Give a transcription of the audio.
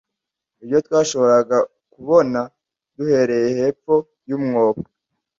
ibyo twashoboraga kubona duhereye hepfo yu mwobo